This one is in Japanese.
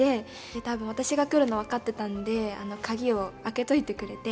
で、私が来るの分かってたんで鍵を開けといてくれて。